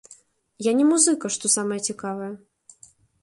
Я не музыка, што самае цікавае.